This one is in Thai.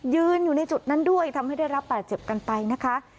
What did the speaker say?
ยืนอยู่ในจุดนั้นด้วยทำให้ได้รับบาดเจ็บกันไปนะคะ